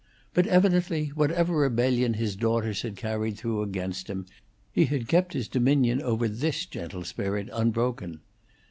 But evidently, whatever rebellion his daughters had carried through against him, he had kept his dominion over this gentle spirit unbroken.